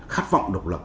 khát vọng độc lập